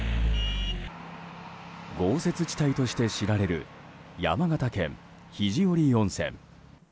豪雪地帯として知られる山形県肘折温泉。